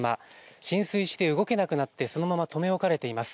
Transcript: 浸水して動けなくなって、そのまま止め置かれています。